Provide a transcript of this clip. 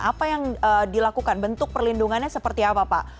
apa yang dilakukan bentuk perlindungannya seperti apa pak